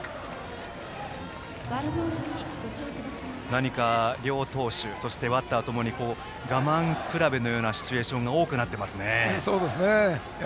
何か、両投手そしてバッターともに我慢比べのようなシチュエーションが多くなっています。